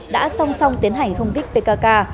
đã song song tiến hành không tích pkk